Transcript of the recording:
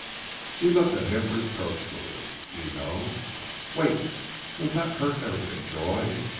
She looked at him reproachfully. "You know " "Wait! You have not heard everything, Joy!